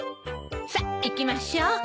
さあ行きましょう。